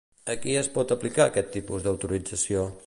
A qui es pot aplicar aquest tipus d'autorització?